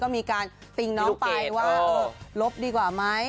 ก็มีการติ้งน้องไปว่าหลบดีกว่าเออดีกว่าไหม